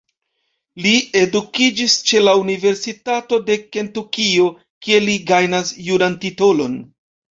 Li edukiĝis ĉe la Universitato de Kentukio kie li gajnas juran titolon.